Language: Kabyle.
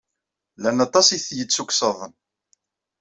Llan aṭas ay t-yettuksaḍen.